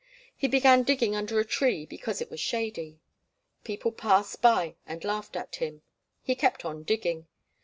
He began digging under a tree because it was shady. People passed by and laughed at him. He kept on digging.